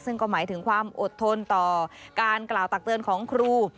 ซึ่งก็หมายถึงความอดทนต่อการกล่าวตักเตือนของครู